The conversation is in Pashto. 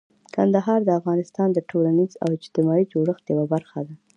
کندهار د افغانستان د ټولنیز او اجتماعي جوړښت یوه برخه ده.